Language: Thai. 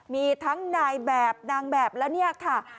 มีทั้งนายแบบนางแบบและเนี่ยค่ะ